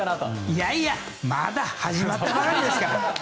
いやいやまだ始まったばかりですから。